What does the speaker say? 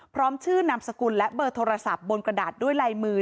พร้อมชื่อนามสกุลและเบอร์โทรศัพท์บนกระดาษด้วยลายมือ